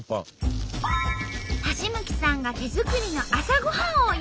橋向さんが手作りの朝ごはんを用意してくれました。